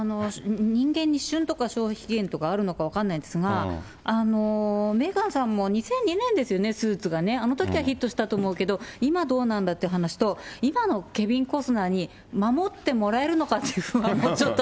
人間に旬とか消費期限とかあるとか分からないんですが、メーガンさんも２００２年ですよね、スーツがね、あのときはヒットしたと思うけど、今はどうなんだという話と、今のケビン・コスナーに、守ってもらえるのかっていう不安がちょっと。